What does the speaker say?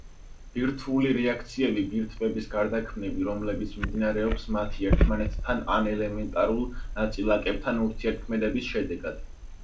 ბირთვული რეაქციები, ბირთვების გარდაქმნები, რომლებიც მიმდინარეობს მათი ერთმანეთთან ან ელემენტარულ ნაწილაკებთან ურთიერთქმედების შედეგად.